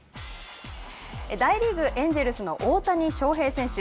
大リーグ、エンジェルスの大谷翔平選手。